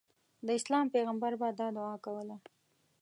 د اسلام پیغمبر به دا دعا کوله.